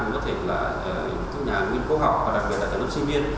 có thể là các nhà nguyên cố học và đặc biệt là các lớp sinh viên